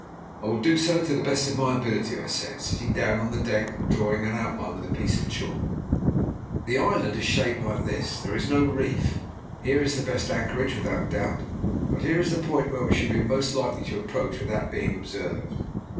"I will do so to the best of my ability," I said, sitting down on the deck and drawing an outline with a piece of chalk. "The island is shaped like this. There is no reef. Here is the best anchorage, without doubt, but here is the point where we shall be most likely to approach without being observed.